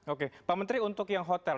oke pak menteri untuk yang hotel